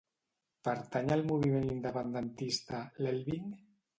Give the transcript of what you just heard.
Pertany al moviment independentista l'Elvin?